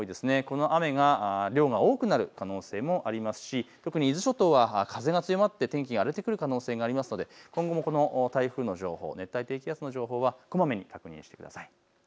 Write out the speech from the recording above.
この雨が量が多くなる可能性もありますし、特に伊豆諸島は風が強まって天気が荒れてくる可能性がありますので、今後もこの台風の情報、熱帯低気圧の情報はこまめに確認してください。